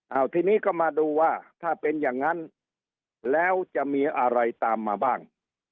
เอาทีนี้ก็มาดูว่าถ้าเป็นอย่างนั้นแล้วจะมีอะไรตามมาบ้าง